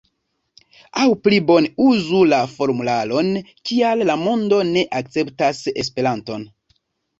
Aŭ pli bone uzu la formularon: Kial la mondo ne akceptas Esperanton?